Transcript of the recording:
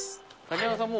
竹山さん